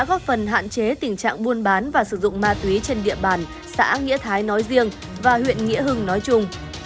thành công của chuyên án bảy trăm một mươi bốn t đã góp phần hạn chế tình trạng buôn bán và sử dụng ma túy trên địa bàn xã nghĩa thái nói riêng và huyện nghĩa hưng nói chung